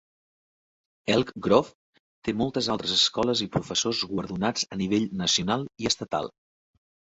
Elk Grove té moltes altres escoles i professors guardonats a nivell nacional i estatal.